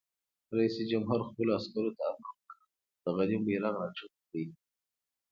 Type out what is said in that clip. رئیس جمهور خپلو عسکرو ته امر وکړ؛ د غلیم بیرغ راکښته کړئ!